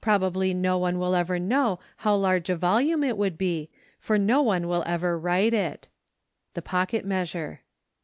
Probably no one will ever know how large a volume it would be, for no one will ever write it. The Pocket Measure.